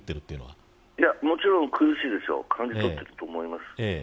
もちろん苦しいと感じ取ってると思います。